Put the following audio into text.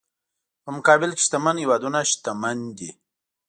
په مقابل کې شتمن هېوادونه شتمن دي.